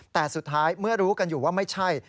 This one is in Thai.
แต่สุดท้ายเมื่อรู้กันอยู่ว่าไม่ใช่